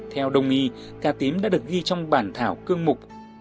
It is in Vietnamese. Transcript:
theo đồng nghi ca tím đã được ghi trong bản thảo cương mục